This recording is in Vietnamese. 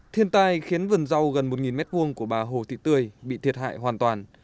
thiên tai khiến vườn rau gần một m hai của bà hồ thị tươi bị thiệt hại hoàn toàn